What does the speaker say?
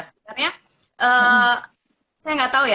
sebenarnya saya nggak tahu ya